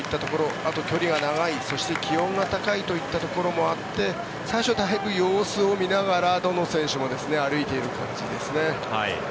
あと距離が長いそして気温が高いといったところもあって最初、だいぶ様子を見ながらどの選手も歩いている感じですね。